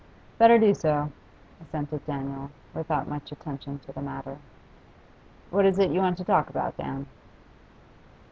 'Better do so,' assented Daniel, without much attention to the matter. 'What is it you want to talk about, Dan?